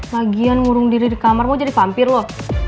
lagian ngurung diri di kamar mau jadi vampir lo